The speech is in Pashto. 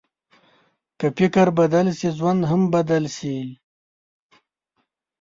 که فکر بدل شي، ژوند هم بدل شي.